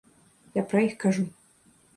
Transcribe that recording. Я пра іх кажу.